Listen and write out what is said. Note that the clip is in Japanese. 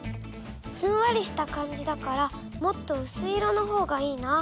ふんわりした感じだからもっとうすい色のほうがいいな。